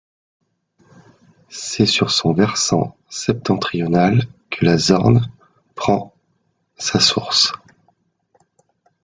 C'est sur son versant septentrional que la Zorn prend sa source.